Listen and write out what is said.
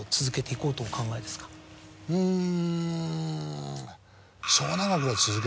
うん。